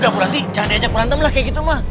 udah aku nanti jangan diajak berantem lah kayak gitu mah